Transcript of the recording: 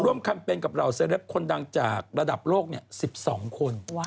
แคมเปญกับเหล่าเซลปคนดังจากระดับโลก๑๒คน